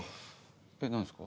え何ですか？